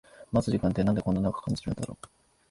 待つ時間ってなんでこんな長く感じるんだろう